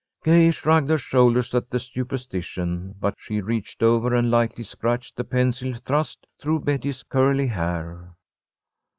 Gay shrugged her shoulders at the superstition, but she reached over and lightly scratched the pencil thrust through Betty's curly hair.